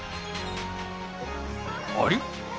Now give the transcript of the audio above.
あれ？